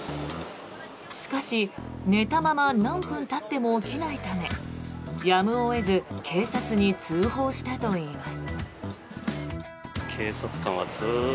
しかし、寝たまま何分たっても起きないためやむを得ず警察に通報したといいます。